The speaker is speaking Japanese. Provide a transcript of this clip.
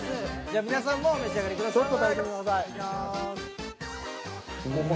じゃ皆さんもお召し上がりください。